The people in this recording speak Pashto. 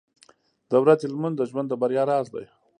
• د ورځې لمونځ د ژوند د بریا راز دی.